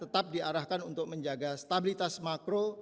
tetap diarahkan untuk menjaga stabilitas makro